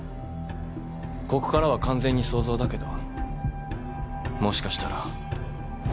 ここからは完全に想像だけどもしかしたら。